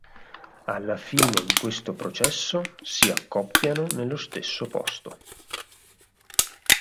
Alla fine di questo processo si accoppiano nello stesso posto.